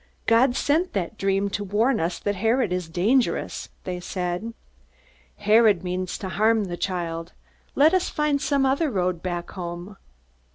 "God sent that dream to warn us that Herod is dangerous," they said. "Herod means to harm the child. Let us find some other road back home."